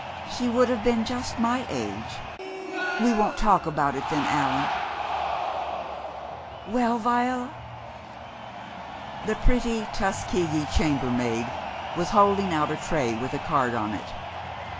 "She would have been just my age.... We won't talk about it, then, Allan ... Well, Viola?" The pretty Tuskegee chambermaid was holding out a tray with a card on it.